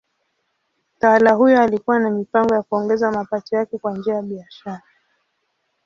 Mtawala huyo alikuwa na mipango ya kuongeza mapato yake kwa njia ya biashara.